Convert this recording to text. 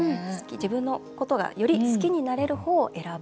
自分のことがより好きになれる方を選ぶ。